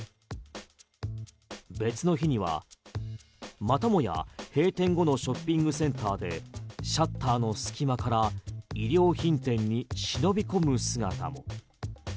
別の日には、またもや閉店後のショッピングセンターでシャッターの隙間から衣料品店に忍び込む姿も。